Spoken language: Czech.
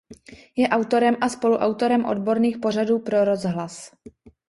Je autorem a spoluautorem odborných pořadů pro rozhlas.